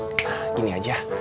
nah gini aja